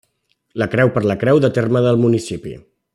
La creu per la creu de terme del municipi.